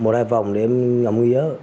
đi một hai vòng để em ngắm nghĩa